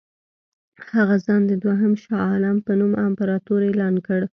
هغه ځان د دوهم شاه عالم په نوم امپراطور اعلان کړ.